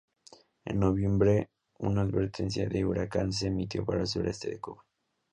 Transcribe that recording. En noviembre, una advertencia de huracán se emitió para el sureste de Cuba.